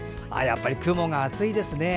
雲が厚いですね。